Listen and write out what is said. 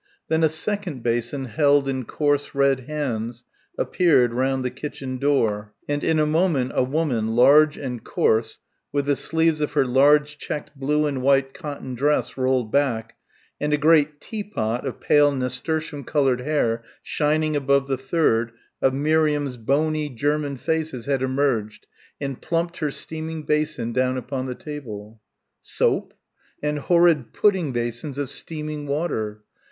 Then a second basin held in coarse red hands appeared round the kitchen door and in a moment a woman, large and coarse, with the sleeves of her large checked blue and white cotton dress rolled back and a great "teapot" of pale nasturtium coloured hair shining above the third of Miriam's "bony" German faces had emerged and plumped her steaming basin down upon the table. Soap? and horrid pudding basins of steaming water.